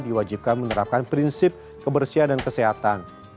diwajibkan menerapkan prinsip kebersihan dan kesehatan